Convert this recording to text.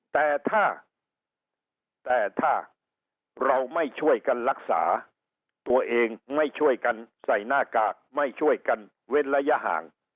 แต่ถ้าแต่ถ้าเราไม่ช่วยกันรักษาตัวเองไม่ช่วยกันใส่หน้ากากไม่ช่วยกันเว้นระยะห่าง